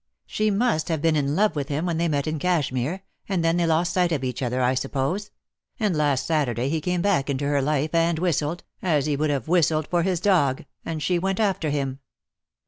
She must have been in love with him when they met in Cashmere — and then they lost sight of each other, I suppose; and last Saturday he came back into her DEAD LOVE HAS CHAINS. 279 life, and whistled, as he would have whistled for his dog — and she went after him."